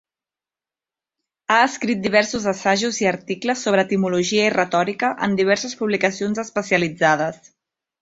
Ha escrit diversos assajos i articles sobre etimologia i retòrica en diverses publicacions especialitzades.